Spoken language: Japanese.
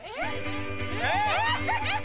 えっ⁉